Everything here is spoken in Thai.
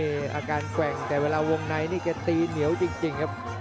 อาการแกว่งแต่เวลาวงในนี่แกตีเหนียวจริงครับ